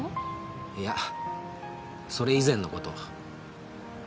いやそれ以前の事。